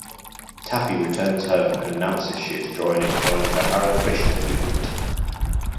Taffy returns home and announces she is joining the Hare Krishna movement.